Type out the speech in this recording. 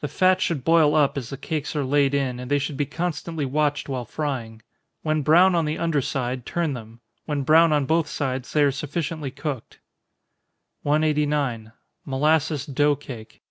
The fat should boil up, as the cakes are laid in, and they should be constantly watched while frying. When brown on the under side, turn them when brown on both sides, they are sufficiently cooked. 189. _Molasses Dough Cake.